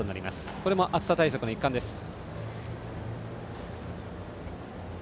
これも暑さ対策の一環です。